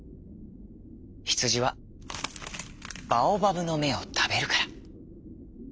ヒツジはバオバブのめをたべるから。